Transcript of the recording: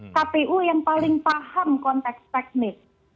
kpu yang paling paham konteks teknis